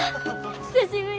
久しぶり！